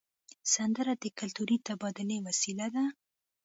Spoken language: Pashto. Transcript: سندره د کلتوري تبادلې وسیله ده